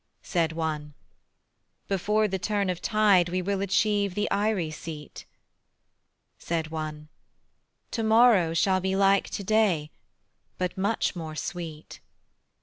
Said one: "Before the turn of tide We will achieve the eyrie seat." Said one: "To morrow shall be like To day, but much more sweet."